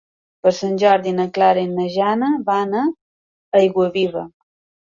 Per Sant Jordi na Clara i na Jana van a Aiguaviva.